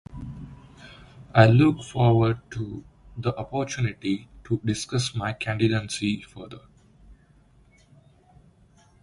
I look forward to the opportunity to discuss my candidacy further.